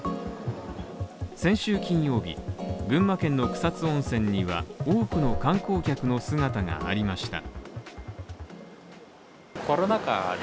先週金曜日、群馬県の草津温泉には多くの観光客の姿がありました。